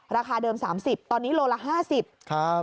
ราคาเดิม๓๐ตอนนี้โลละ๕๐บาท